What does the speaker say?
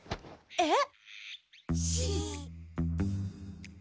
えっ？